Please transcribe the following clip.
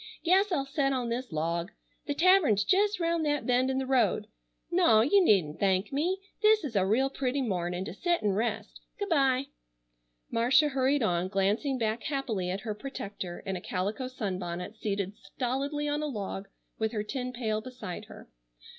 Guess I'll set on this log. The tavern's jest round that bend in the road. Naw, you needn't thank me. This is a real pretty mornin' to set an' rest. Good bye." Marcia hurried on, glancing back happily at her protector in a calico sunbonnet seated stolidly on a log with her tin pail beside her.